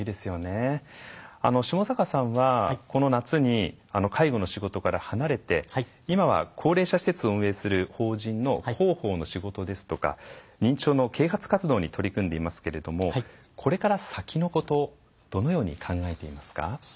下坂さんはこの夏に介護の仕事から離れて今は高齢者施設を運営する法人の広報の仕事ですとか認知症の啓発活動に取り組んでいますけれどもこれから先のことどのように考えていますか？